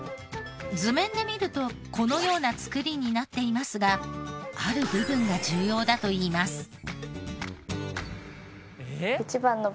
図面で見るとこのような作りになっていますがある部分が重要だといいます。